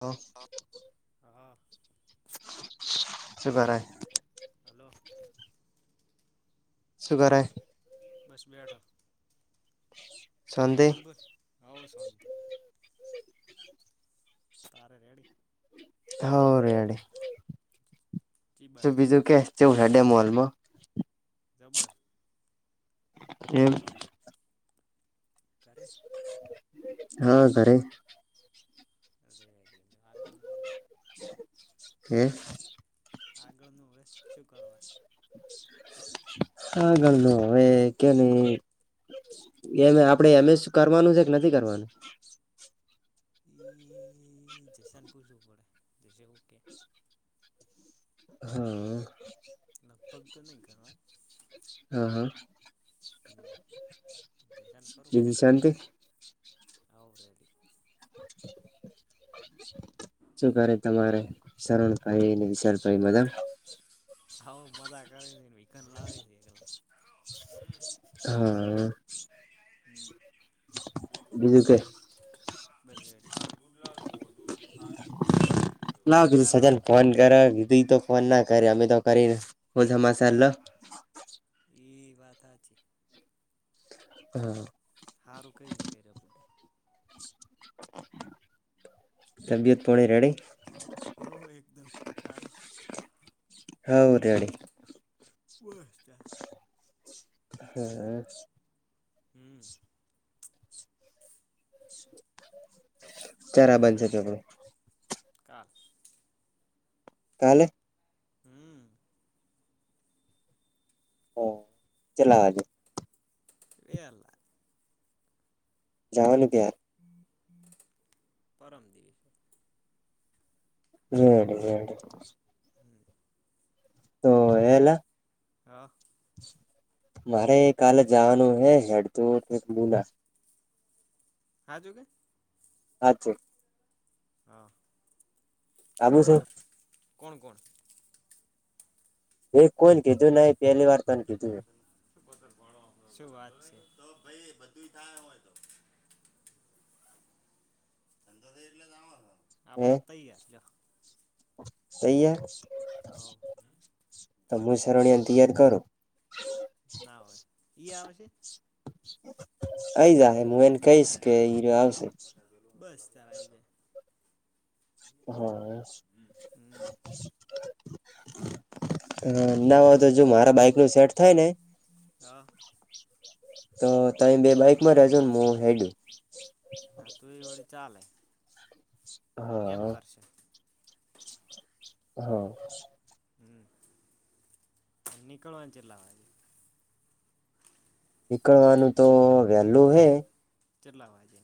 હા. હા શું કરાય હલો. શું કરે. બસ બેઠો. [inaudible] બોલ બોલ આવો શાંતિ. તારે રેડી. હ રેડે ચી શુ બાજુ બીજું ચેવુ. હડે મોલમાં. જબ્બર. એમ. કરે હા ઘરે. [inaudible] આગળનું હવે હમ્મ શુકરવાર. હાગળનું હવે કેલી. એમે આપડે એમસ કરવાનું છે કે નથી કરવાનું. એ જશાન પૂછું પડે જશો ઓકે. હમ્મ લગભગ તો નહી કરવા. હા હા જયલા ને કરું બીજી ફોન શાંતિ હમણાં આવ રેડી. [inaudible] શું કરે તમારે સરણ ભાઈ ને વિશાળ ભાઈ બધા. હઉ મજા કરે છે [unintelligible] લાવે એકલા. [inaudible] હમ્મ [unintelligible] બસ રેડી ચા લાવું. ઘીર તો ફોન ના કરે અમે તો કરીને હોજ સમાચાર લો. એ વાથ હાચી. હમ્મ સારું કરીને કર્યો ર્યોપટે. તબિયત પોણી રેડી. હો એકદમ તારે. હોવ રેડી. વોસ્ત. [inaudible] [inaudible] ચરા [inaudible] આ કાલે હમમ ચલા હજુ [inaudible] કયારે જવાનું ક્યાં પરમ દિવસ હા હમ તો એલા હા મારે કાલે જવાનું હે હેડ તો બલા હા જોવુ હા ઠીક [inaudible] આવું છે કોણ કોણ એક કોણ કીધું ના પહેલી વાર તને કીધું શું વાત છે તો ભાઈ બધું થાય હોય તો [inaudible] હે આપડા તૈયાર તૈયાર હવ તમું સરળિયા તૈયાર કરો ના હોય ઈ આવેશે અહી જ હું એને કહીશ કે અહીં આવશે બસ તાર આઈ જાય હા હ હમ ના હો તો જો મારા બાઈક નું સેટ થાય ને હા તો તમે બે બાઈકમાં જજો ને હું હેડું હા તું એ વળી ચાલેે હા હા હમ નીકળવાનું અહીંથી લા નીકળવાનું તો વેલુ હે કેટલા વાગે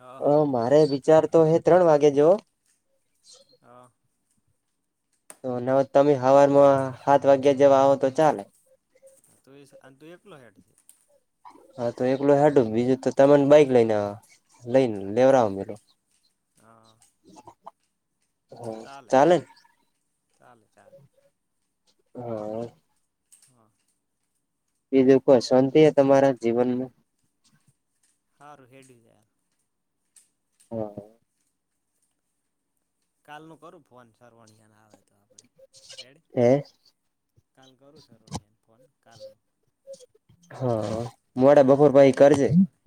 હા હ મારે વિચાર તો હ ત્રણ વાગે જવો હા તો તમે હવારમાં સાત વાગ્યા આવો તો ચાલે [inaudible] તું એકલો હેડ છે હા તો એકલો હડું બીજું તો તને બાઈક લઈને લઈને લેવરાાવ હા ચાલે ચાલે ચાલે હા [inaudible] બીજું કોઈ શાંતિ તમારા જીવનમાં હારુ હા કાલ નું કરું ફોન સરવાણયા ને આવે હેડ હે કાલે કરું છું તને ફોન કાલ. હા ઈ મોડા આવે બપોર તો પછી તૈયાર કરજે. આપણે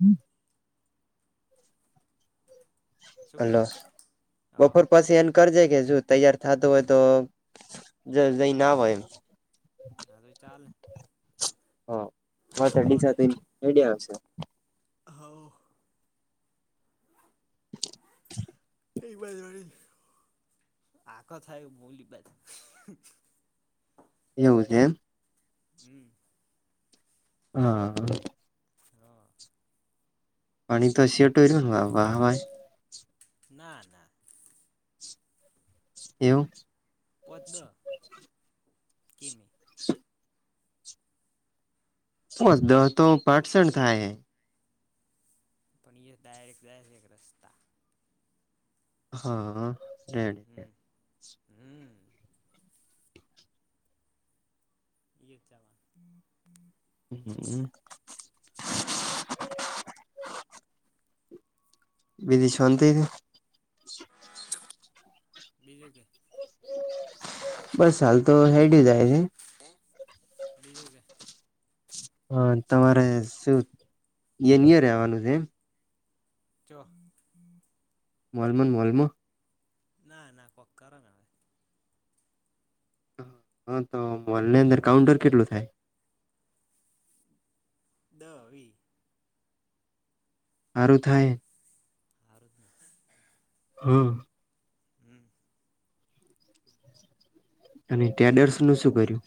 શું કે હાલો હા બપોર પછી એન કર જે કે જો તૈયાર થતું હોય તો જઈ ને આવય. હા તો ચાલે. હા દોડે હડીસા રડી આવશે. હોવ. [unintelligible] આખ થાય બોલી બાજુ. એ [inaudible] એમ. હમ્મ. હા. હા પાણી તો સટોરીવ વાહ હાવા. ના ના. એવું? કેમી. ઓ દહ તો પારસન થાય. પણ એ ડાયરેક્ટ જાય છે એક રસ્તા. હા રહેે. હમ હમ [inaudible] ચાલા. [inaudible] બીજી શાંતિ છે? બીજું કે. બસ હાલ તો હેડી જાય છે. [inaudible] બીજું કે હા તમારે શું યનય રેવાનું છે એમ? ચ્યો? મલમન મલમ. ના ના કોક્કર ન હ. હા તો મોલની અંદર કાઉન્ટર કેટલું થાય? દહ વી. હારું થાય. હારું જ ને હમ્મ. હમ્મ. અને ટેડર્સ નું શું કર્યું?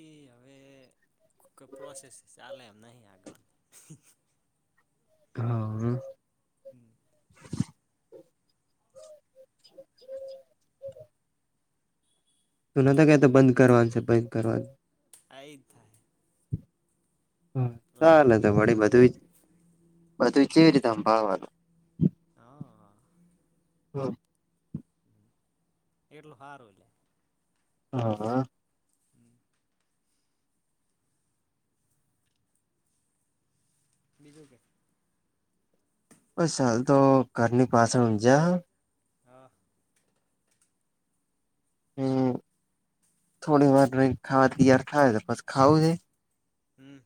એઈ હવે પ્રોસેસ ચાલે એમ નહી આગળ. હઅ. હમ્મ. [inaudible] તો નતા કહે તો બંધ કરવાનું છે બંધ કરવાનું. થાય થા. ચલે તો ઈ જ મળી થાય બધું બધું કેવી રીતેમ ભવાનું? હા હા. હા. એટલું સારું હ. હા. બીજુંકે? અ સાલ તો ઘરની પાછળ જહે. હા. હમ થોડી વાર ખા તયાર થાય તો પસ ખાવજે હમ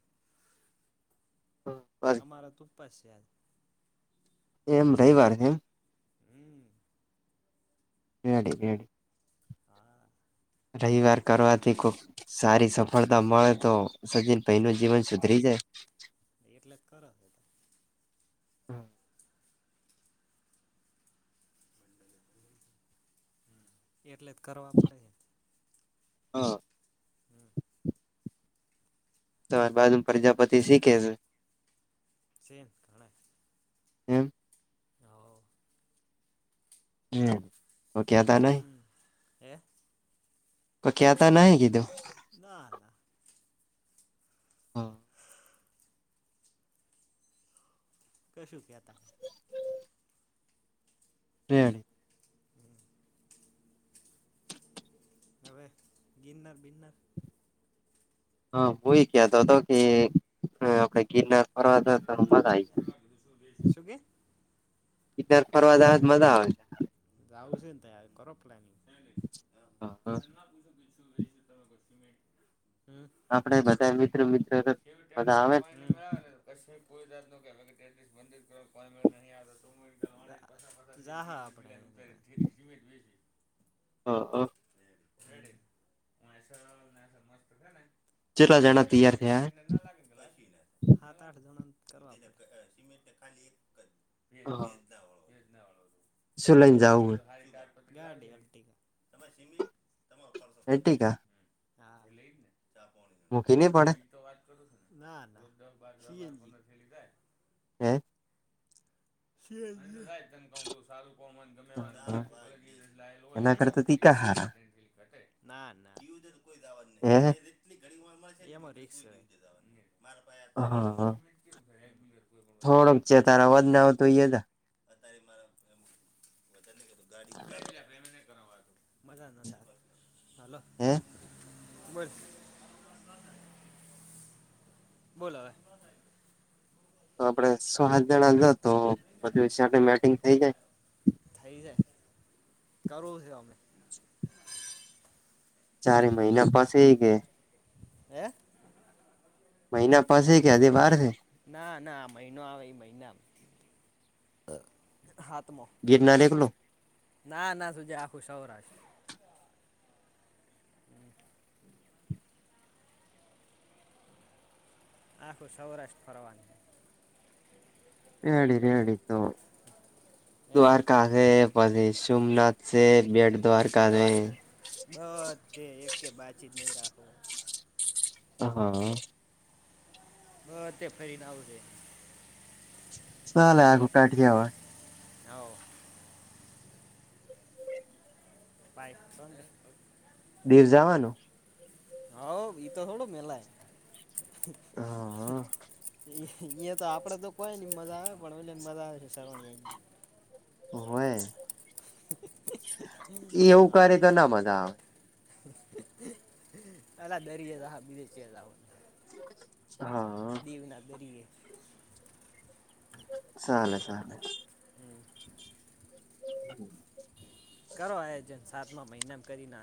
બસ અમારા તુપ્પ છે આજ એમ રવિવાર હે એમ હમ રેડી રેડી હા રવિવાર કરવાથી કોઈક સારી સફળતા મળ તો સજીન ભઈ નુ જીવન સુધરી જાય [inaudible] એટલે જ કરો તો હમ એટલે જ કરવા પડે હે હા [inaudible] તો બાજુમ પરજાપતિ શીખે છે શે ન ગણાય એમ તો કેતા નઈ હમ હે તો કેતા નઈ કીધુ ના ના હ કશુ કેતા [unintelligible] રેડી નહી હવે ગિનર બિનર હા હું એ કેતો તો કે આપડે કઈક ગિરનાર ફરવા ગમે તો જાતા તને ના મજા આય પૂછ્યું જાય સલાહ કીધું શું બે છે શું કે કિટનાર ફરવા જાવાન મજા આવે છે આવુ સેન તાર તો કરો પ્લાનિંગ નહીં મેં હા હા તમને ના [inaudible] આપડે બધા મિત્ર મિત્ર શી દ બધા [inaudible] આવે [inaudible] ને પાણી ન ક હમ [inaudible] ઝાહુ આપડે સિમેન્ટ વેયશી હા હ રેડી [inaudible] મસ્ત છે કેટલા જણા તૈયાર ને થયા સિમેન્ટ ને ન લાગે ને હાત આઠ જણોન કરવા પડે સિમેન્ટ ખાલી એક જ હા ભેજ ભેજ ના વાળો ભેજ ના વાળો હતો શું લઈન જાઉ આપણ હે તો સારી કાર ગાડી આપટીક તમાર સિમેન્ટ તમોર હેટિકા હા એટલે ઈ જ ને ચા પોણું નઈ પડે હું એ તો વાત કર સુ ને ના ના સીએનજી રોજ ન દસ બાર જન હોય તો પંદર થેલી થાય હમ સીએનજી [inaudible] સારું કોન હોય ગમે એવાને [inaudible] એના હમ પોચ કરતા થેલી તીકા બે હારા થેલી તયન થેલી ઘટે ના ના દીવ કોઈ ઝાવાનુ નહીં હે મે એટલી કડીવામા છે ને એમા રિસ્ક છે હ હ કેવું છે રેગ્યુલર કોઈ પણ વસ્તુ થોડોક રેગ્યુલર ચેતાર તાર રોતી અવાજ ન જાય આવતું રોતી અત્યારે મારા એમ અત્યારે ગાડી [unintelligible] મજા ન તાર હાલો હે બસ બોલ હવે તો આપડે સો હાત જણા જા તો બધુ સેટિંગ મેટિંગ થઈ જાય થઈ જાય કરુંશે કમે ચારે મહિના પાસે એ ગયા હે મહિના પાસે કે આજે બાર છે ના ના આ મહિનો આવે એ મહિના હા ગિરનાર એકલો ના ના તુંજ આખું સૌરાશ [inaudible] આખું સૌરાષ્ટ્ર ફરવાનું છે રેડી રેડી તો હે દ્વારકા પણ સોમનાથ સે બેડ બસ તે એક કે વાતચીત નહી રાખ હા હ તે ફરીને આવજે ચલે આગું કાઠીયાવાળી જવો પઇ દીવ જવાનું હ ઈ તો થોડો મેલાય હા અહિયાયા તો આપડે તો કોઈ મજા આવે પણને મજા આવે છે સરવાણી હોય આવી એ એવું હા કરે તો ના બધા અલા દરીયેા બી હો હા દીવના દરિયા સલે ચલે હમ કરો આયોજન સાતમા મહિનામ કરીને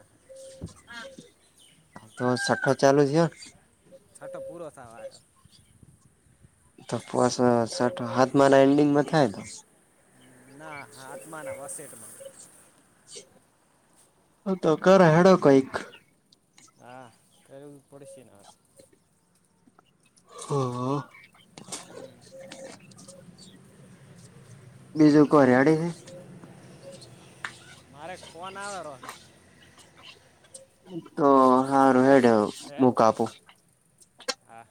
હ તો છઠ્ઠો ચાલુ છે છઠો પૂરો થવાયો તો પો શટ હાથમાં એન્ડીિંગમાં થાય તો ના આાત્મા ના વસેેટમાં હ તો કર હેડ કઈક હા ક પડ છે નય હા હમ, [inaudible] બીજું કો રિયાડીે મારે કોણ આવેરો છે તો સારું હડ હે મૂક આપું હા